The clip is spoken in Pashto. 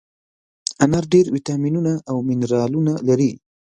انار ډېر ویټامینونه او منرالونه لري.